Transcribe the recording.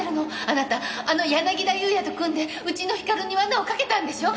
あなたあの柳田裕也と組んでうちの光に罠を掛けたんでしょ？